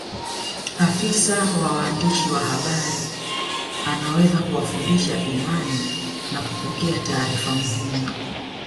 Afisa wa waandishi wa habari anaweza kuwafundisha imani na kupokea taarifa muhimu